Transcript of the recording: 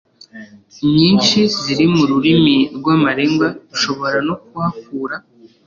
nyinshi ziri mu rurimi rw amarenga ushobora no kuhakura